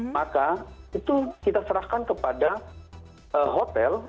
maka itu kita serahkan kepada hotel